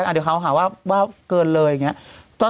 เดี๋ยวเขาหาว่าเกินเลยอย่างนี้